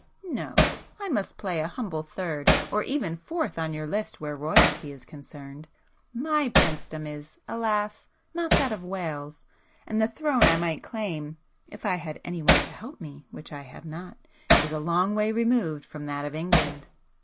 No,—I must play a humble third or even fourth on your list where Royalty is concerned,—my princedom is alas! not that of Wales,—and the throne I might claim (if I had anyone to help me, which I have not) is a long way removed from that of England!"